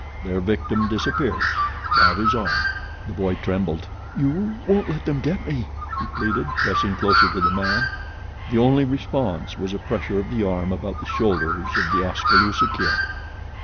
Their victim disappears that is all." The boy trembled. "You won't let them get me?" he pleaded, pressing closer to the man. The only response was a pressure of the arm about the shoulders of The Oskaloosa Kid.